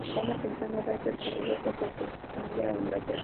A una temprana edad, se trasladó junto a su familia a Inglaterra.